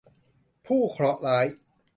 ผู้เคราะห์ร้าย